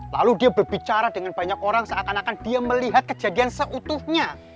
lalu dia berbicara dengan banyak orang seakan akan dia melihat kejadian seutuhnya